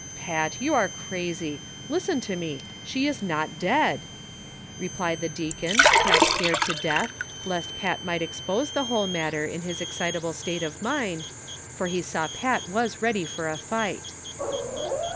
81 "Pat, you are crazy ; listen to me, she is not dead," re plied the deacon, half scared to death, lest Pat might ex pose the whole matter in his excitable state of mind, for he saw Pat was ready for a fight.